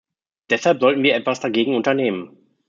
Deshalb sollten wir etwas dagegen unternehmen.